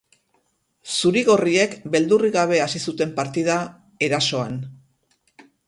Zuri-gorriek beldurrik gabe hasi zuten partida, erasoan.